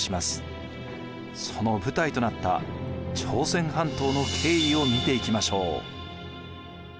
その舞台となった朝鮮半島の経緯を見ていきましょう。